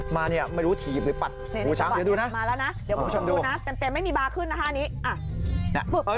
มาเนี่ยไม่รู้ถีบหรือปัดหูช้างเดี๋ยวดูนะมาแล้วนะเดี๋ยวคุณผู้ชมดูนะ